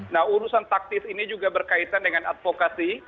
nah urusan taktis ini juga berkaitan dengan advokasi